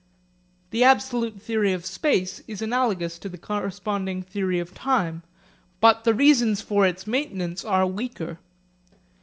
The absolute theory of space is analogous to the corresponding theory of time, but the reasons for its maintenance are weaker.